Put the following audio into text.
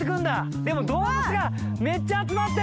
でも動物が、めっちゃ集まってる。